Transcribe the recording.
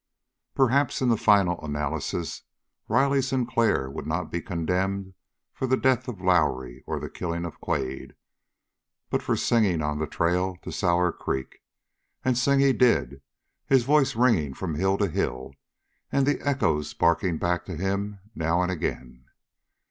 4 Perhaps, in the final analysis, Riley Sinclair would not be condemned for the death of Lowrie or the killing of Quade, but for singing on the trail to Sour Creek. And sing he did, his voice ringing from hill to hill, and the echoes barking back to him, now and again.